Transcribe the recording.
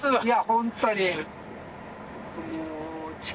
いや本当に。